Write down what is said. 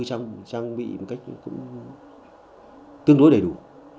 trang bị một cách cũng tương đối đầy đủ